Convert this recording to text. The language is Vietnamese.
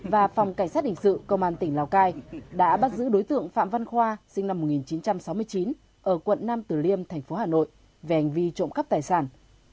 và phòng cảnh sát hình sự công an tỉnh lào cai đã bắt giữ đối tượng phạm văn khoa sinh năm một nghìn chín trăm sáu mươi chín ở quận nam tử liêm thành phố hà nội về hành vi trộm cắp tài sản